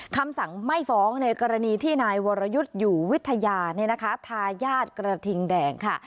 คำสั่งไม่ฟ้องในกรณีที่นายวรยุทธ์อยู่วิทยาทายาทกระทิงแดงค่ะ